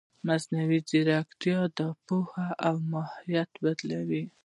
مصنوعي ځیرکتیا د پوهې ماهیت بدلوي.